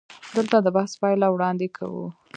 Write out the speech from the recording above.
دلته د بحث پایله وړاندې کوو.